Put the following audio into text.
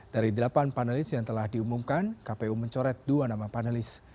dari delapan panelis yang telah diumumkan kpu mencoret dua nama panelis